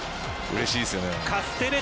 うれしいですよね。